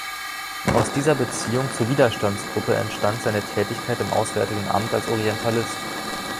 Aus dieser Beziehung zur Widerstandsgruppe entstand seine Tätigkeit im Auswärtigen Amt als Orientalist.